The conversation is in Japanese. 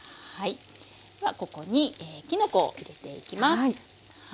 ではここにきのこを入れていきます。